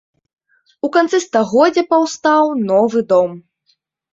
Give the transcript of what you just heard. У канцы стагоддзя паўстаў новы дом.